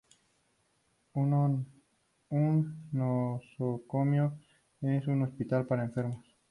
Un nosocomio es un hospital para enfermos.